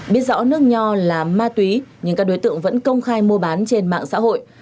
biết rõ nước nho là ma túy nhưng các đối tượng vẫn công khai mua bán trên mạng xã hội